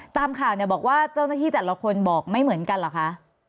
ตามข่าวเนี่ยบอกว่าเจ้าหน้าที่แต่ละคนบอกไม่เหมือนกันเหรอคะ